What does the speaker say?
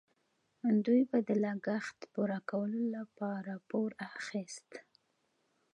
دوی به د لګښت پوره کولو لپاره پور اخیست.